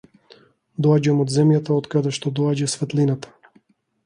Доаѓам од земјата од каде што доаѓа светлината.